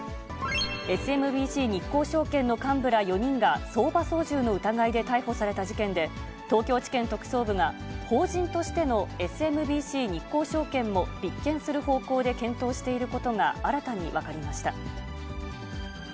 ＳＭＢＣ日興証券の幹部ら４人が相場操縦の疑いで逮捕された事件で、東京地検特捜部が、法人としてのＳＭＢＣ日興証券も立件する方向で検討していることが新たに分かりました。